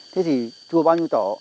thế thì chùa bao nhiêu tổ